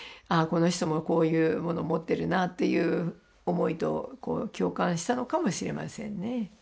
この人もこういうもの持ってるなっていう思いと共感したのかもしれませんね。